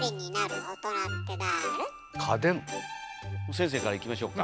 先生からいきましょうか。